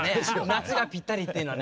夏がぴったりっていうのは。